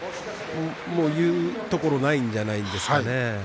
もう言うところないんじゃないですかね。